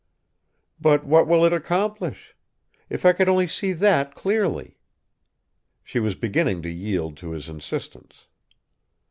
"But what will it accomplish? If I could only see that, clearly!" She was beginning to yield to his insistence.